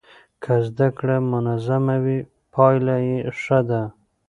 که زده کړه منظمه وي پایله یې ښه ده.